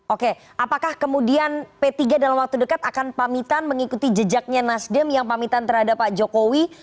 oke apakah kemudian p tiga dalam waktu dekat akan pamitan mengikuti jejaknya nasdem yang pamitan terhadap pak jokowi